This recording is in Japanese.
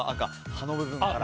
葉の部分から。